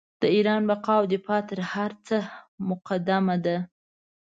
د ایران بقا او دفاع تر هر څه مقدمه ده.